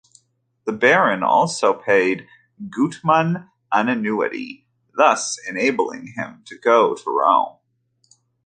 The Baron also paid Guttmann an annuity, thus enabling him to go to Rome.